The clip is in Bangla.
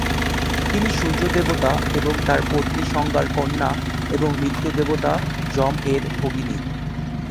তিনি সূর্য দেবতা এবং তার পত্নী সংজ্ঞার কন্যা এবং মৃত্যুর দেবতা যম এর ভগিনী।